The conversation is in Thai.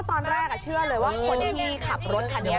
ตอนแรกเชื่อเลยว่าคนที่ขับรถคันนี้